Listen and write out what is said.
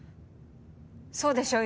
そうでしょ？